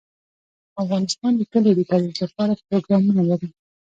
افغانستان د کلیو د ترویج لپاره پروګرامونه لري.